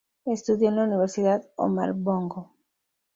Estudió en la Universidad Omar Bongo.